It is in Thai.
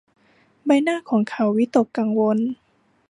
ใบหน้าของเขาวิตกกังวล